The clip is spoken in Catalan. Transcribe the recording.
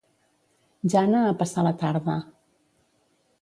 Jana a passar la tarda».